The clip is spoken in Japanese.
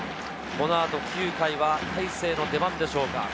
このあと９回は大勢の出番でしょうか。